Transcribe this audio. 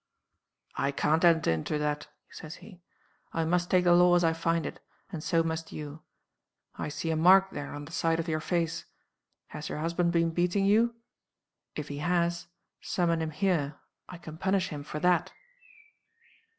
"'I can't enter into that,' says he. 'I must take the law as I find it; and so must you. I see a mark there on the side of your face. Has your husband been beating you? If he has, summon him here I can punish him for _that.